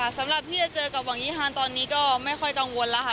สำหรับที่จะเจอกับหวังยี่ฮานตอนนี้ก็ไม่ค่อยกังวลแล้วค่ะ